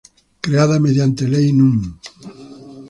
Creada mediante Ley Núm.